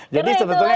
jadi sebetulnya itu